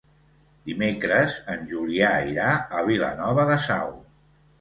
Dimecres en Julià irà a Vilanova de Sau.